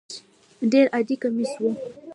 ډېر عادي کمیس و.